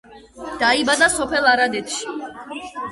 დაიბადა სოფელ არადეთში.